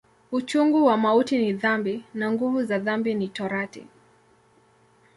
Uchungu wa mauti ni dhambi, na nguvu za dhambi ni Torati.